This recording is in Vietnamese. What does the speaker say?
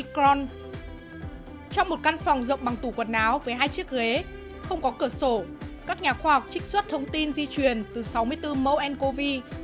trong một căn phòng rộng bằng tủ quần áo với hai chiếc ghế không có cửa sổ các nhà khoa học trích xuất thông tin di truyền từ sáu mươi bốn mẫu ncov